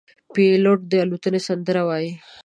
پیلوټ د الوتنې سندره وايي.